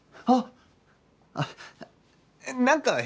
あっ。